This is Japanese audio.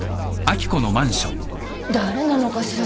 誰なのかしら？